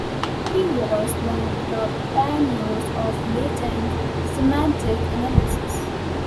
He was one of the pioneers of Latent semantic analysis.